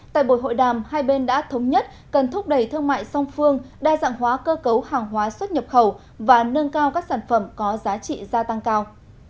tại buổi hội đàm hai bên đã thống nhất cần thúc đẩy thương mại song phương đa dạng hóa cơ cấu hàng hóa xuất nhập khẩu và nâng cao các sản phẩm có giá trị gia tăng cao